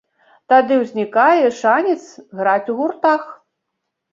Тады ўзнікае шанец граць у гуртах.